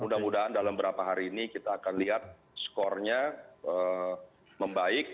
mudah mudahan dalam beberapa hari ini kita akan lihat skornya membaik